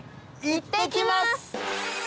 いってきます！